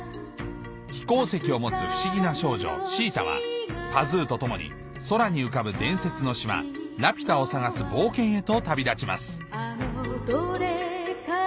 飛行石を持つ不思議な少女シータはパズーと共に空に浮かぶ伝説の島ラピュタを探す冒険へと旅立ちます